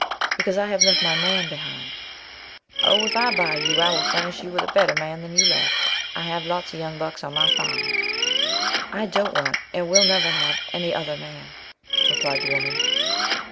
"Because I have left my man behind." "Oh, if I buy you I will furnish you with a better man than you left. I have lots of young bucks on my farm." "I don't want, and will never have, any other man," replied the woman.